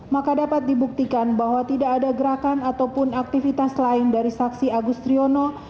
maka dapat dibuktikan bahwa tidak ada gerakan ataupun aktivitas lain dari saksi agustriono